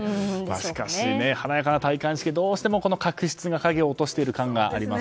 しかし、華やかな戴冠式どうしても確執が影を落としている感があります。